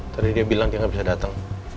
tadi dia bilang dia gak bisa dateng